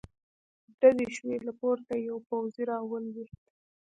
ډزې شوې، له پورته يو پوځې را ولوېد.